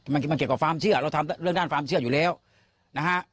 มันเกี่ยวกับความเชื่อเราทำเรื่องด้านความเชื่ออยู่แล้วนะฮะ